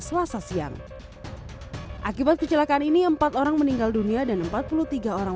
selasa siang akibat kecelakaan ini empat orang meninggal dunia dan empat puluh tiga orang